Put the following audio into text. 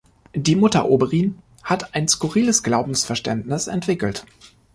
Die Mutter Oberin hat ein skurriles Glaubensverständnis entwickelt.